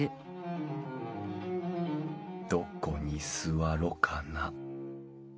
どこに座ろかな。